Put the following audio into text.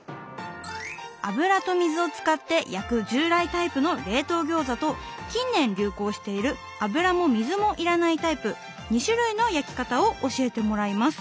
油と水を使って焼く従来タイプの冷凍餃子と近年流行している油も水も要らないタイプ２種類の焼き方を教えてもらいます。